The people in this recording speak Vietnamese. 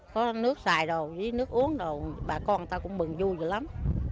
có nước xài đồ với nước uống đồ bà con người ta cũng mừng vui rồi lắm